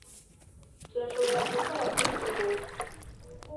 turashobora gukora kuri ubu